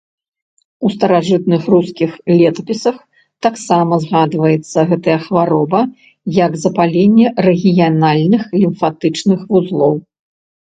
У старажытных рускіх летапісах таксама згадваецца гэтая хвароба як запаленне рэгіянальных лімфатычных вузлоў.